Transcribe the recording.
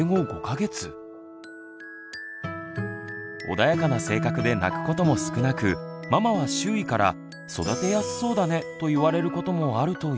穏やかな性格で泣くことも少なくママは周囲から「育てやすそうだね」と言われることもあるといいます。